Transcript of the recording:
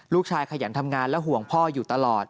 ขยันทำงานและห่วงพ่ออยู่ตลอด